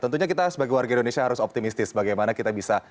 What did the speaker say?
tentunya kita sebagai warga indonesia harus optimistis bagaimana kita bisa